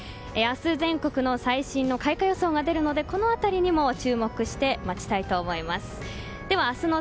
明日、全国の最新の開花予想が出るのでこの辺りにも注目して待ちたいと思います。